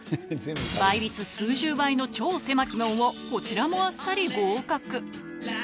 倍率数十倍の超狭き門をこちらもあっさり合格。